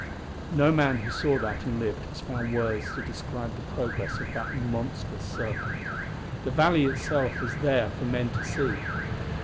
No man who saw that and lived has found words to describe the progress of that monstrous serpent; the valley itself is there for men to see.